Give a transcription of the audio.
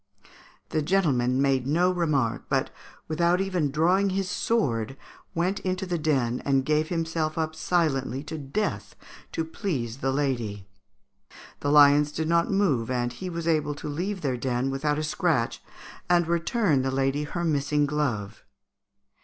The gentleman made no remark, but, without even drawing his sword, went into the den and gave himself up silently to death to please the lady. The lions did not move, and he was able to leave their den without a scratch and return the lady her missing glove.